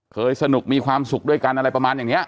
เคยสนุกมีความสุขด้วยกันอะไรประมาณอย่างนี้